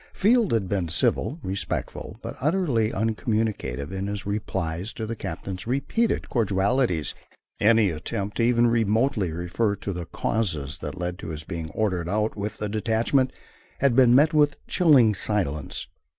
Field had been civil, respectful, but utterly uncommunicative in his replies to the captain's repeated cordialities. Any attempt to even remotely refer to the causes that led to his being ordered out with the detachment had been met with chilling silence.